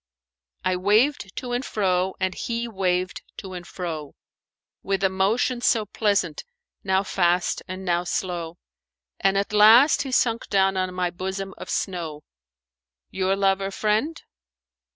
'I waved to and fro and he waved to and fro, * With a motion so pleasant, now fast and now slow; And at last he sunk down on my bosom of snow; * 'Your lover friend?'"